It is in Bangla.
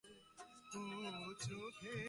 আমাদেরই চিন্তাধারা বস্তুনিচয়কে সুন্দর বা কুৎসিত করে।